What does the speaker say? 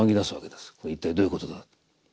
「これは一体どういうことだ」。